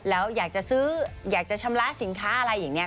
แล้วอยากจะซื้ออยากจะชำระสินค้าอะไรอย่างนี้